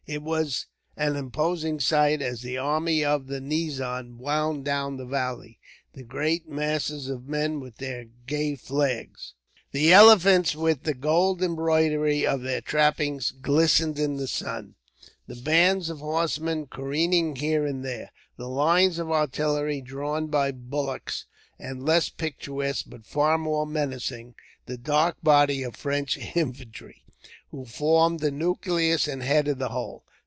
It was an imposing sight, as the army of the nizam wound down the valley; the great masses of men with their gay flags, the elephants with the gold embroidery of their trappings glistening in the sun, the bands of horsemen careering here and there, the lines of artillery drawn by bullocks; and, less picturesque but far more menacing, the dark body of French infantry, who formed the nucleus and heart of the whole.